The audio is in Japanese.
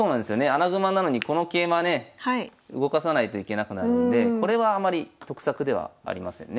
穴熊なのにこの桂馬ね動かさないといけなくなるのでこれはあまり得策ではありませんね。